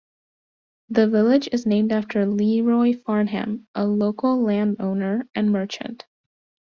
The village is named after Leroy Farnham, a local landowner and merchant.